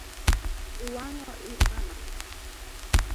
Iwang’o I mama